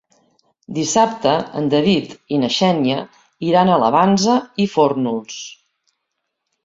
Dissabte en David i na Xènia iran a la Vansa i Fórnols.